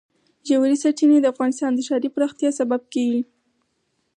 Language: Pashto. ژورې سرچینې د افغانستان د ښاري پراختیا سبب کېږي.